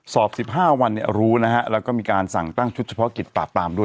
สอบ๑๕วันเนี่ยรู้นะฮะแล้วก็มีการสั่งตั้งชุดเฉพาะกิจปราบปรามด้วย